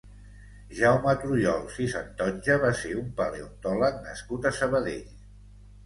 Jaume Truyols i Santonja va ser un paleontòleg nascut a Sabadell.